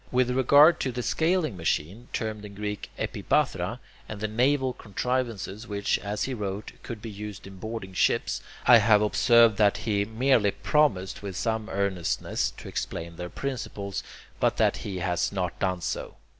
With regard to the scaling machine, termed in Greek [Greek: epibathra], and the naval contrivances which, as he wrote, could be used in boarding ships, I have observed that he merely promised with some earnestness to explain their principles, but that he has not done so.